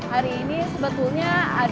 gak tau kenapa